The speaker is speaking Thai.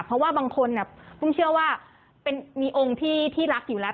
เพราะว่าบางคนอุ้มเชื่อว่ามีองค์ที่รักอยู่แล้ว